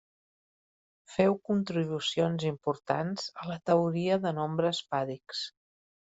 Féu contribucions importants a la teoria de nombres p-àdics.